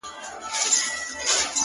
سم پسرلى ترې جوړ سي-